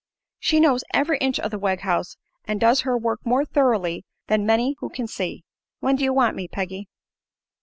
"She knows every inch of the Wegg house, and does her work more thoroughly than many who can see. When do you want me, Peggy?"